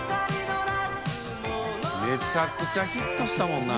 めちゃくちゃヒットしたもんな。